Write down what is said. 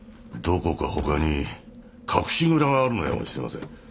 どこか他に隠し蔵があるのやもしれません。